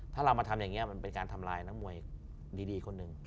ถ้าเรามาทำอย่างนี้เราจะทำลายมวยดีคนหนึ่ง